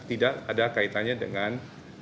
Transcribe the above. tidak ada kaitannya dengan